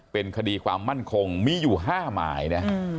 เป็นคดีความมั่นคงมีอยู่๕หมายนะ